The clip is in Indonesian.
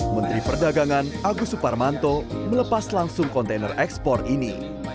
menteri perdagangan agus suparmanto melepas langsung kontainer ekspor ini